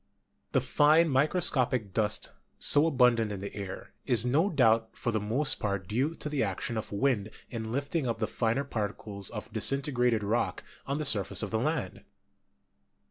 The fine microscopic dust so abundant in the air is no doubt for the most part due to the action of wind in lift ing up the finer particles of disintegrated rock on the surface of the land.